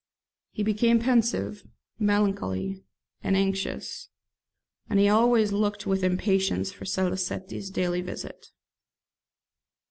He became pensive, melancholy, and anxious; and he always looked with impatience for Salicetti's daily visit.